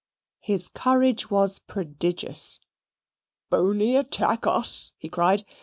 His courage was prodigious. "Boney attack us!" he cried.